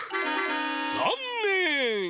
ざんねん！